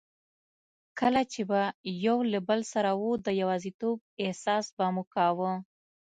کله چي به یو له بل سره وو، د یوازیتوب احساس به مو کاوه.